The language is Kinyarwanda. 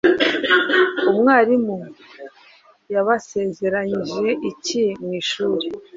Umwarimu yabasezeranyije iki mwishuri?